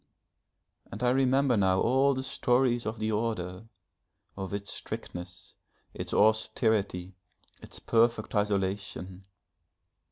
And I remember now all the stories of the Order, of its strictness, its austerity, its perfect isolation.